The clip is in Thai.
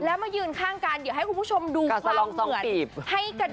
แล้วมายืนข้างกันเดี๋ยวให้คุณผู้ชมดูความเหมือน